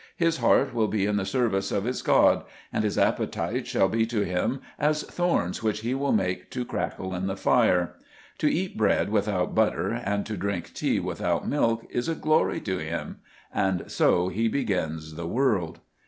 His heart will be in the service of his God, and his appetites shall be to him as thorns which he will make to crackle in the fire. To eat bread without butter and to drink tea without milk is a glory to him, and so he begins the world.